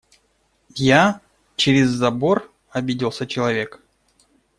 Я?.. Через забор?.. – обиделся человек.